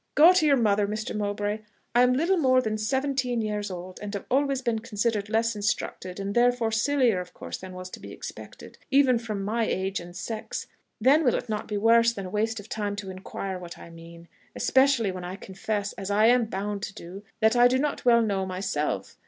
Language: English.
"Go to your mother, Mr. Mowbray. I am little more than seventeen years old, and have always been considered less instructed, and therefore sillier of course than was to be expected even from my age and sex; then will it not be worse than waste of time to inquire what I mean especially when I confess, as I am bound to do, that I do not well know myself?...